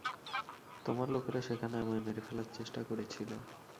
তোমার লোকেরা সেখানে আমায় মেরে ফেলার চেষ্টা করেছিল।